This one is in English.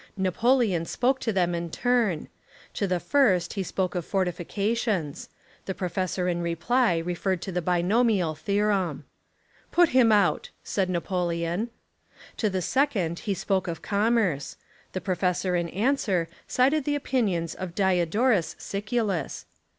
Napo leon spoke to them in turn. To the first he spoke of fortifications. The professor in re ply referred to the binomial theorem. "Put him out," said Napoleon. To the second he spoke of commerce. The professor in answer cited the opinions of Diodorus Siculus.